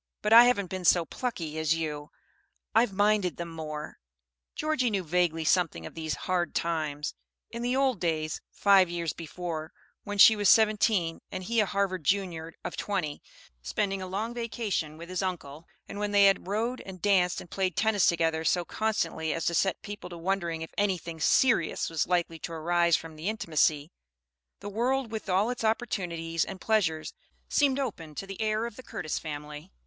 "But I haven't been so plucky as you. I've minded them more." Georgie knew vaguely something of these "hard times." In the "old days," five years before, when she was seventeen and he a Harvard Junior of twenty, spending a long vacation with his uncle, and when they had rowed and danced and played tennis together so constantly as to set people to wondering if anything "serious" was likely to arise from the intimacy, the world with all its opportunities and pleasures seemed open to the heir of the Curtis family.